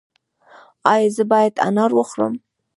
ایا زه باید انار وخورم؟